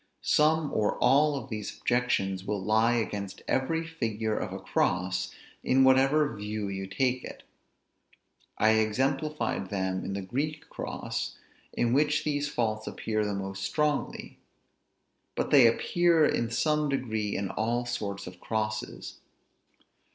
Some or all of these objections will lie against every figure of a cross, in whatever view you take it. I exemplified them in the Greek cross, in which these faults appear the most strongly; but they appear in some degree in all sorts of crosses.